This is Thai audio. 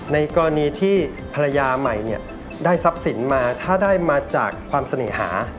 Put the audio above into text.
ในกรณีที่ภรรยาใหม่เนี่ยได้ทรัพย์สินมาถ้าได้มาจากความเสน่หา